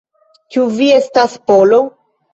Ĉu vi estas Polo?